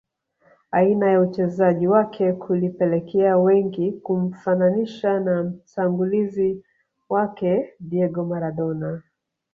Aina ya uchezaji wake kulipelekea wengi kumfananisha na mtangulizi wake Diego Maradona